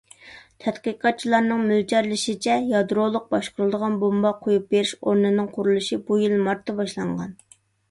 تەتقىقاتچىلارنىڭ مۆلچەرلىشىچە، يادرولۇق باشقۇرۇلىدىغان بومبا قويۇپ بېرىش ئورنىنىڭ قۇرۇلۇشى بۇ يىل مارتتا باشلانغان.